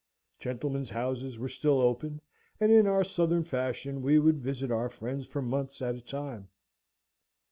Gentlemen's houses were still open; and in our southern fashion we would visit our friends for months at a time.